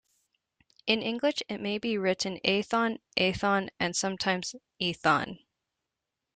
In English, it may be written Aethon, Aithon, and sometimes Ethon.